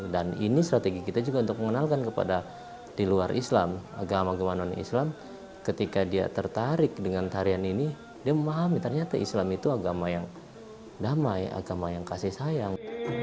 dan ini strategi kita juga untuk mengenalkan kepada di luar islam agama agama non islam ketika dia tertarik dengan tarian ini dia memahami ternyata islam itu agama yang damai agama yang kasih sayang